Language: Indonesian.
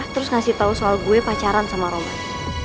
terus ngasih tahu soal gue pacaran sama roman